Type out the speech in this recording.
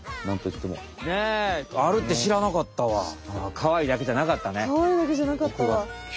かわいいだけじゃなかったね。